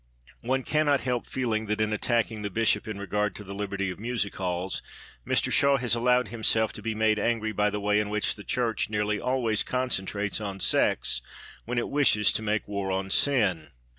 One cannot help feeling that, in attacking the Bishop in regard to the liberty of music halls, Mr Shaw has allowed himself to be made angry by the way in which the Church nearly always concentrates on sex when it wishes to make war on sin.